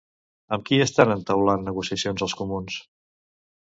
Amb qui estan entaulant negociacions els comuns?